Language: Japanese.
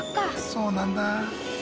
そうなんだ。